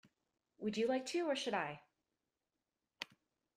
Would you like to, or should I?